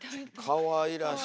かわいらしい。